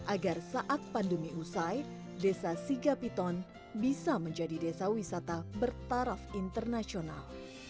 agar saat pandemi usai desa sigapiton bisa menjadi desa wisata bertaraf internasional